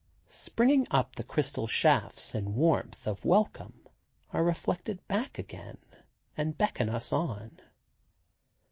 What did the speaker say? Springing up the crystal shafts in warmth of welcome are reflected back again and beckon us on.